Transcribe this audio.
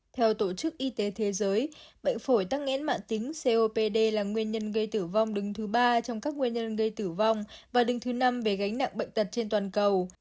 theo tổ chức y tế thế giới bệnh phổi tắc nghẽn mạng tính copd là nguyên nhân gây tử vong đứng thứ ba trong các nguyên nhân gây tử vong và đứng thứ năm về gánh nặng bệnh tật trên toàn cầu